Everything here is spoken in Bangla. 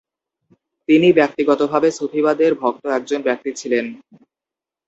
তিনি ব্যক্তিগতভাবে সুফিবাদের ভক্ত একজন ব্যক্তি ছিলেন।